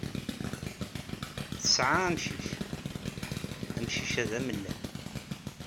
Tesɛa amcic. Amcic-a d amellal.